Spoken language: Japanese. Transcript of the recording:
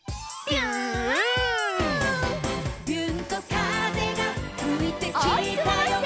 「びゅーんと風がふいてきたよ」